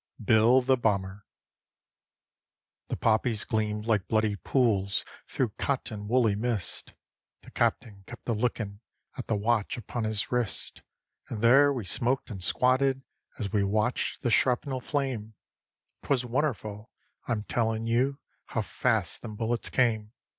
_ Bill the Bomber The poppies gleamed like bloody pools through cotton woolly mist; The Captain kept a lookin' at the watch upon his wrist; And there we smoked and squatted, as we watched the shrapnel flame; 'Twas wonnerful, I'm tellin' you, how fast them bullets came.